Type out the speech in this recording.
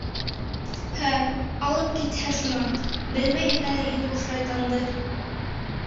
— Һе, алып китһә шунан, белмәйһең әле һин ул шайтанды.